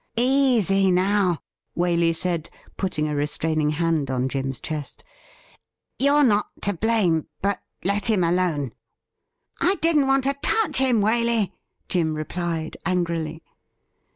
' Easy now,' Waley said, putting a restraining hand on Jim's chest. ' You're not to blame ; but let him alone.' ' I didn't want to touch him, Waley,' Jim replied angrily.